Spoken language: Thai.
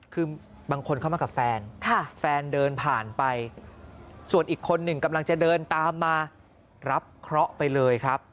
คือบางคนเข้ามากับแฟนแฟนเดินผ่านไปส่วนอีกคนหนึ่งกำลังจะเดินตามมารับเคราะห์ไปเลยครับ